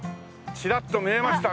チラッと見えましたね。